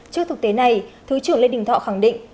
trước thực tế này thứ trưởng lê đình thọ khẳng định